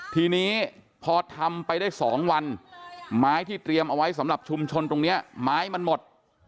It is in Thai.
ทีนี้พอทำไปได้๒วันไม้ที่เตรียมเอาไว้สำหรับชุมชนตรงนี้ไม้มันหมด